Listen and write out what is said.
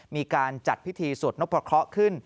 มีการจัดพิธีสวดนพครเขาขึ้น